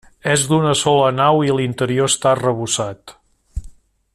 És d'una sola nau i l'interior està arrebossat.